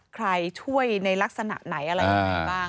ใครช่วยในลักษณะไหนอะไรยังไงบ้าง